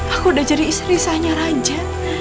aku udah jadi istri saya raja